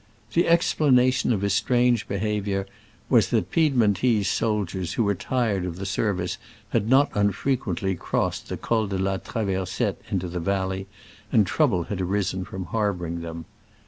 The explanation of his strange behavior was that Piedmontese soldiers who were tired of the service had not unfrequently crossed the Col de la Traversette into the valley, and trouble had arisen from harboring them.